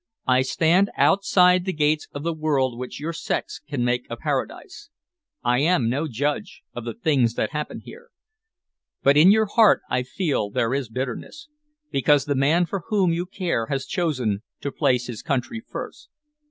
I stand outside the gates of the world which your sex can make a paradise. I am no judge of the things that happen there. But in your heart I feel there is bitterness, because the man for whom you care has chosen to place his country first.